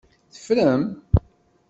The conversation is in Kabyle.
Teffrem?